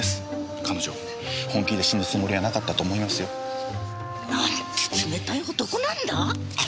彼女本気で死ぬつもりはなかったと思いますよ。なんて冷たい男なんだ！